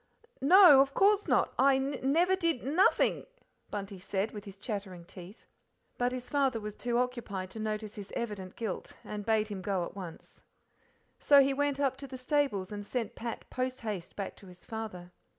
"No, of course not! I n never did n n nothing," Bunty said with chattering teeth, but his father was too occupied to notice his evident guilt, and bade him go at once. So he went up to the stables and sent Pat posthaste back to his father.